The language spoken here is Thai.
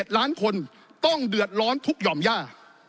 ๗ล้านคนต้องเดือดร้อนทุกหย่อมย่า